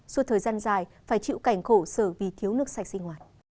suốt thời gian dài phải chịu cảnh khổ sở vì thiếu nước sạch sinh hoạt